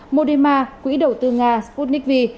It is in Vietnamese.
modema quỹ đầu tư nga sputnik v